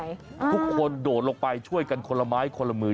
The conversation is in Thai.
ทุกคนโดดลงไปช่วยกันคนละไม้คนละมือ